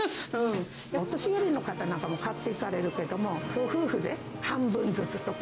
お年寄りの方なんかも買っていかれるけども、夫婦で半分ずつとか。